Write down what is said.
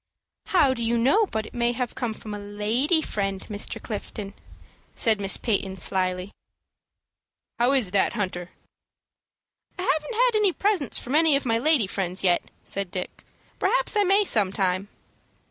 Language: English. "How do you know but it may have come from a lady friend, Mr. Clifton?" said Miss Peyton, slyly. "How is that, Hunter?" "I haven't had any presents from any of my lady friends yet," said Dick. "Perhaps I may some time."